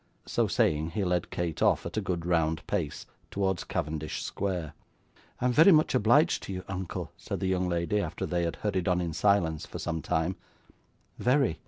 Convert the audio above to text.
So saying, he led Kate off, at a good round pace, towards Cavendish Square. 'I am very much obliged to you, uncle,' said the young lady, after they had hurried on in silence for some time; 'very.